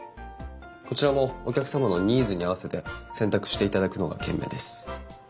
こちらもお客様のニーズに合わせて選択していただくのが賢明です。